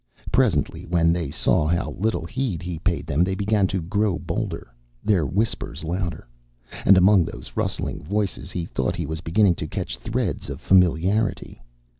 Presently, when they saw how little heed he paid them, they began to grow bolder, their whispers louder. And among those rustling voices he thought he was beginning to catch threads of familiarity.